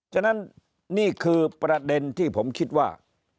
ฉะนั้นนี่คือประเด็นที่ผมคิดว่า